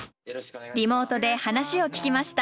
リモートで話を聞きました。